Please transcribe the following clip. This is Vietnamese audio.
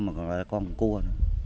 mà còn là con cua